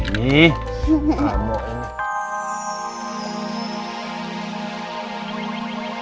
biar papa sini